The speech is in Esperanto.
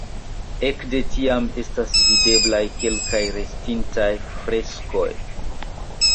Ekde tiam estas videblaj kelkaj restintaj freskoj.